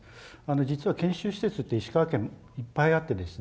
実は研修施設って石川県いっぱいあってですね